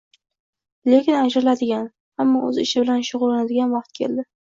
Lekin ajraladigan, hamma oʻz ishi bilan shugʻullanadigan vaqt keldi